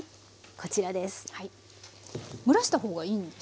こちらです。